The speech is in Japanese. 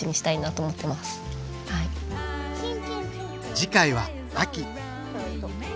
次回は秋。